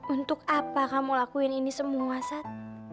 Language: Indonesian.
untuk apa kamu lakuin ini semua sat